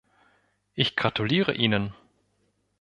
Ich gratuliere Ihnen!